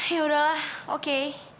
yaudah lah oke